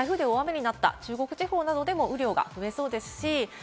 台風で大雨になった中国地方でも雨量が増えそうです。